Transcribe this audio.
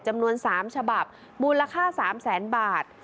จำนวน๓ฉบับมูลค่า๓แสนบาท